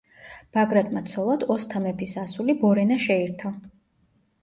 ბაგრატმა ცოლად ოსთა მეფის ასული ბორენა შეირთო.